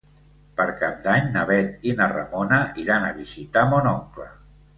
Per Cap d'Any na Bet i na Ramona iran a visitar mon oncle.